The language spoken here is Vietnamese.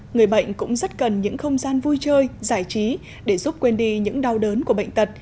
người bệnh cũng rất cần những không gian vui chơi giải trí để giúp quên đi những đau đớn của bệnh tật